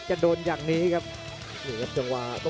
โอ้โหไม่พลาดกับธนาคมโด้แดงเขาสร้างแบบนี้